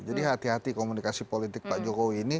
jadi hati hati komunikasi politik pak jokowi ini